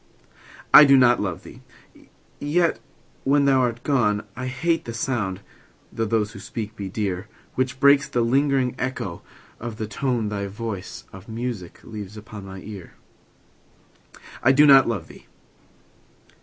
I do not love thee!—yet, when thou art gone, I hate the sound (though those who speak be dear) 10 Which breaks the lingering echo of the tone Thy voice of music leaves upon my ear. I do not love thee!